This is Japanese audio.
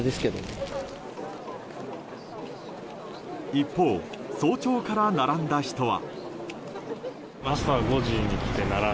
一方、早朝から並んだ人は。